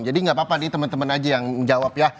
jadi gak apa apa nih temen temen aja yang jawab ya